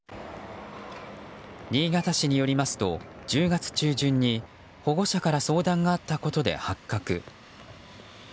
新潟市によりますと１０月中旬に保護者から相談があったことで発覚。